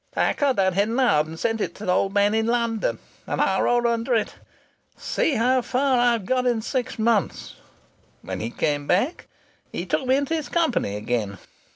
I cut that heading out and sent it to the old man in London, and I wrote under it, 'See how far I've got in six months.' When he came back he took me into his company again....